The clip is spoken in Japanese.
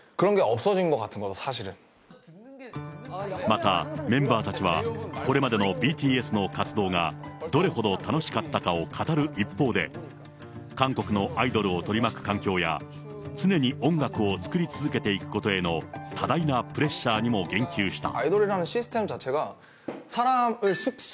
また、メンバーたちは、これまでのＢＴＳの活動が、どれほど楽しかったかを語る一方で、韓国のアイドルを取り巻く環境や、常に音楽を作り続けていくことへの多大なプレッシャーにも言及した。